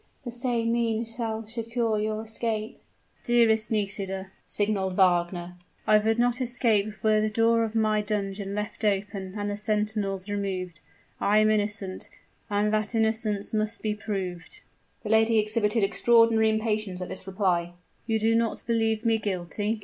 The same means shall secure your escape." "Dearest Nisida," signaled Wagner, "I would not escape were the door of my dungeon left open and the sentinels removed. I am innocent and that innocence must be proved!" The lady exhibited extraordinary impatience at this reply. "You do not believe me guilty?"